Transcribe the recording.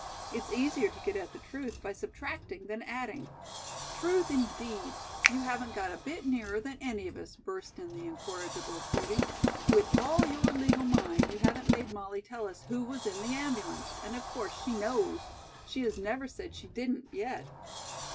It's easier to get at the truth by subtracting than adding " "Truth, indeed. You haven't got a bit nearer than any of us," burst in the incorrigible Judy. "With all your legal mind you haven't made Molly tell us who was in the ambulance, and of course she knows. She has never said she didn't, yet."